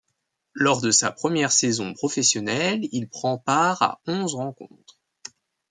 Lors de sa première saison professionnel, il prend part à onze rencontres.